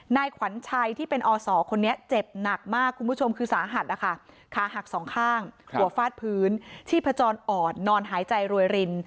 นายขวัญชัยที่เป็นอศคนนี้เจ็บหนักมากคุณผู้ชมคือสาหัสนะคะขาหักสองข้างหัวฟาดพื้นชีพจรอ่อนนอนหายใจรวยริน